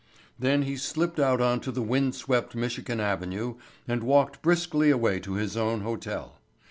Then he slipped out on to windswept Michigan avenue and walked briskly away to his own hotel.